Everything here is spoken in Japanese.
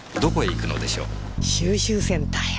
収集センターよ！